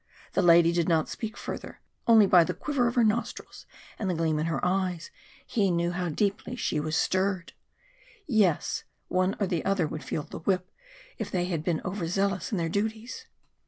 The lady did not speak further, only by the quiver of her nostrils and the gleam in her eyes he knew how deeply she was stirred. Yes, one or the other would feel the whip, if they had been over zealous in their duties!